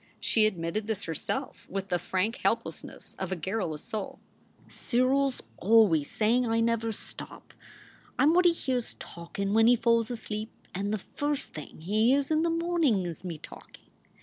She admitted this herself with the frank helpless ness of a garrulous soul. "Cyril s always savin I never stop. I m what he hears talkin when he falls asleep, and the first thing he hears in the mornin is me talkin .